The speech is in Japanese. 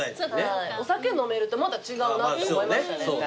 お酒飲めるとまた違うなって思いましたね。